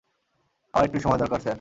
আমার একটু সময় দরকার, স্যার।